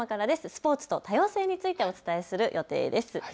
スポーツと多様性についてお伝えする予定です。